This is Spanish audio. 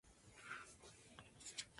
Su legado discográfico es grande.